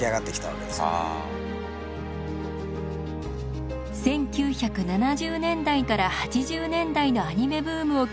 １９７０年代から８０年代のアニメブームをけん引した松本さん。